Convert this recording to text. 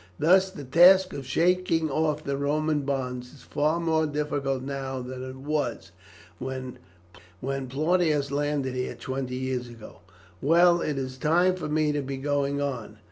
Thus the task of shaking off the Roman bonds is far more difficult now than it was when Plautius landed here twenty years ago. Well, it is time for me to be going on.